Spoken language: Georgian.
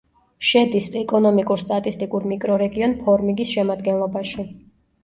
შედის ეკონომიკურ-სტატისტიკურ მიკრორეგიონ ფორმიგის შემადგენლობაში.